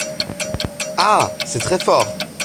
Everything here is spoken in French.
Ah ! c’est très fort !